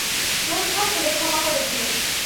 দোষঘাট হলে ক্ষমা করে দিয়েন।